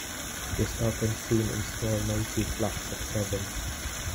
It is often seen in small noisy flocks of seven.